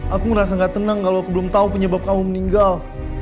aku ngerasa gak tenang kalau aku belum tahu penyebab kamu meninggal